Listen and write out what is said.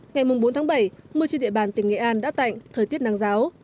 ngày bốn tháng bảy mưa trên địa bàn tỉnh nghệ an đã tạnh thời tiết nắng ráo